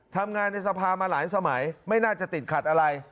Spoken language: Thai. ทำงานในสภามาหลายสมัยไม่น่าจะติดขัดอะไร